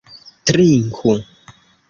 trinku